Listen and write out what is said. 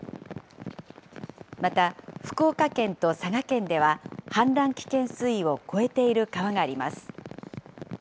また福岡県と佐賀県では、氾濫危険水位を超えている川があります。